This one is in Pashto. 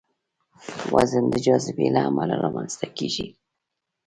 وزن د جاذبې له امله رامنځته کېږي.